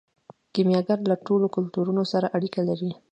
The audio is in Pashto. کیمیاګر له ټولو کلتورونو سره اړیکه لري.